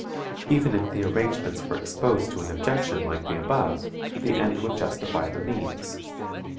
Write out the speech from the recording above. Even if the arrangements were exposed to an objection like the above, the end would justify the means.